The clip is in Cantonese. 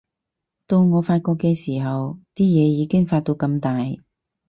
到我發覺嘅時候，啲嘢已經發到咁大